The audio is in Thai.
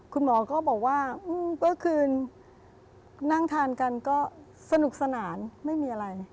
คุณหมอก็บอกว่าเมื่อคืนนั่งทานกันก็สนุกสนานไม่มีอะไร